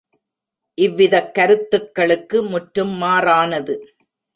இவ்விதக் கருத்துக்களுக்கு முற்றும் மாறானது.